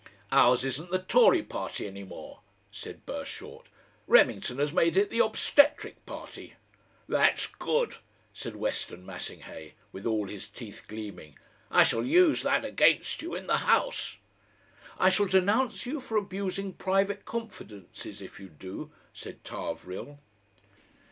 "Ours isn't the Tory party any more," said Burshort. "Remington has made it the Obstetric Party." "That's good!" said Weston Massinghay, with all his teeth gleaming; "I shall use that against you in the House!" "I shall denounce you for abusing private confidences if you do," said Tarvrille.